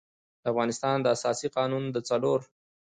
د افغانستان د اساسي قـانون د څلور